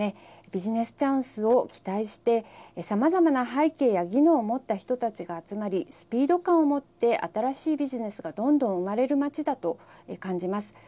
ビジネスチャンスを期待してさまざまな背景や技能を持った人たちが集まりスピード感をもって新しいビジネスがどんどん生まれる街だと感じます。